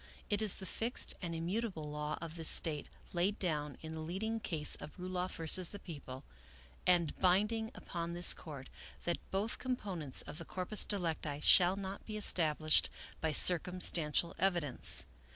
" It is the fixed and immutable law of this State, laid down in the leading case of Ruloff z>. The People, and bind ing upon this Court, that both components of the corpus delicti shall not be established by circumstantial evidence.